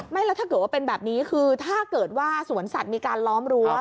แล้วถ้าเกิดว่าเป็นแบบนี้คือถ้าเกิดว่าสวนสัตว์มีการล้อมรั้ว